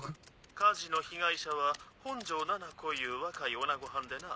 火事の被害者は「本上ななこ」いう若いおなごはんでな